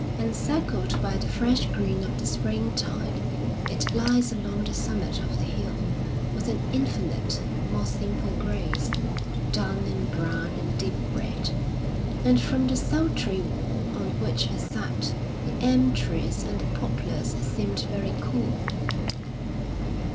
Encircled by the fresh green of the spring time, it lies along the summit of the hill with an in finite, most simple grace, dun and brown and deep red ; and &om the sultry wall on which I sat the elm treea and the poplars seemed very cool.